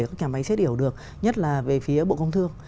các nhà máy chết yểu được nhất là về phía bộ công thương